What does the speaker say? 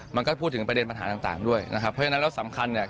มันก็พูดถึงประเด็นปัญหาต่างด้วยนะครับเพราะฉะนั้นแล้วสำคัญเนี่ย